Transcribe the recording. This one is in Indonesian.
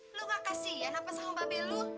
lu gak kasihan apa sama mbak belu